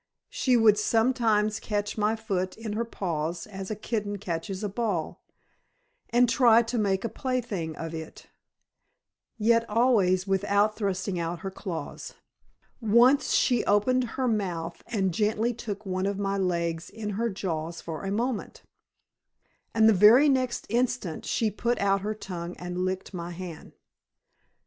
She would sometimes catch my foot in her paws as a kitten catches a ball, and try to make a plaything of it, yet always without thrusting out her claws. Once she opened Her mouth, and gently took one of my legs in her jaws for a moment; and the very next instant she put out her tongue and licked my hand.